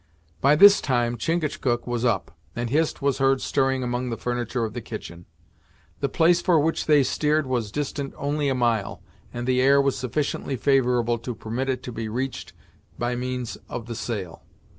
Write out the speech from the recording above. By this time, Chingachgook was up, and Hist was heard stirring among the furniture of the kitchen. The place for which they steered was distant only a mile, and the air was sufficiently favorable to permit it to be reached by means of the sail.